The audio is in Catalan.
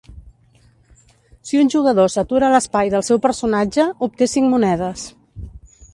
Si un jugador s'atura a l'espai del seu personatge, obté cinc monedes.